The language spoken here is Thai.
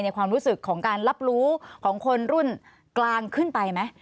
ความรู้สึกของการรับรู้ของคนรุ่นกลางขึ้นไปไหม